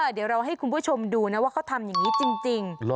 เดี๋ยวเราให้คุณผู้ชมดูนะว่าเขาทำอย่างนี้จริง